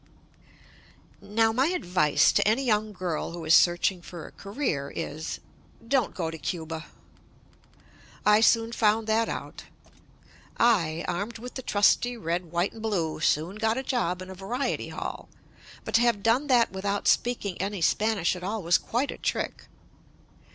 Now my advice to any young girl who is searching for a career, is — don't go to Cuba. I soon found that out. I, armed with the trusty red, white and blue, soon got a job in a variety hall, but to have done that without speaking any Spanish at all was quite a trick.